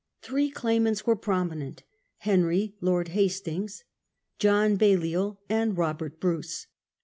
Three claimants were prominent, Henry, Lord Hastings, John Balliol, and Robert Bruce.